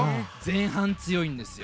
前半強いんですよ。